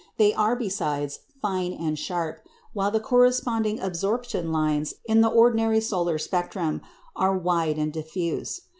They are besides fine and sharp, while the corresponding absorption lines in the ordinary solar spectrum are wide and diffuse.